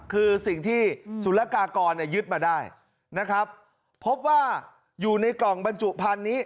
คือสิ่งที่สุรกากรยึดมาได้นะครับพบว่าอยู่ในกล่องบรรจุพันธุ์นี้